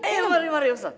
eh mari mari ustadz